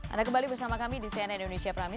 anda kembali bersama kami di cnn indonesia prime news